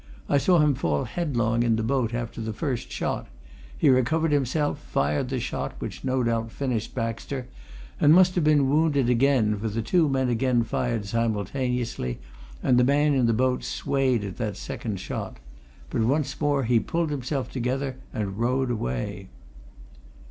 "I saw him fall headlong in the boat after the first shot; he recovered himself, fired the shot which no doubt finished Baxter, and must have been wounded again, for the two men again fired simultaneously, and the man in the boat swayed at that second shot. But once more he pulled himself together and rowed away."